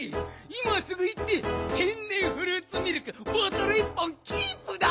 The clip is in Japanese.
いますぐいって天然フルーツミルクボトル１本キープだ！